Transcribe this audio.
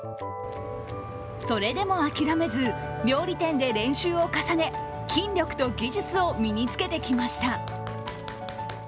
それでも諦めず、料理店で練習を重ね筋力と技術を身に着けてきました。